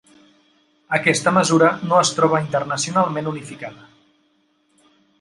Aquesta mesura no es troba internacionalment unificada.